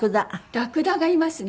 ラクダがいますね。